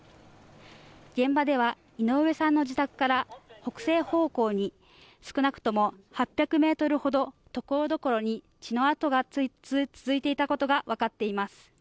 現場では井上さんの自宅から北西方向に少なくとも８００ｍほどところどころに血の跡が続いていたことが分かっています。